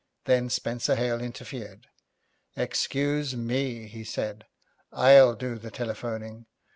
Then Spenser Hale interfered. 'Excuse me,' he said, 'I'll do the telephoning.